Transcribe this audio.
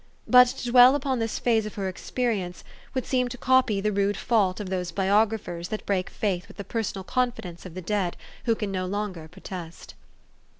But to dwell upon this phase of her experience would seem to copy the rude fault of those biographers that break faith with the personal confidence of the dead who can no longer protest.